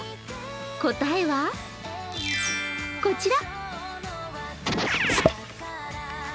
答えは、こちら。